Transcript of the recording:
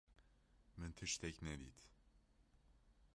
Min tiştek nedît.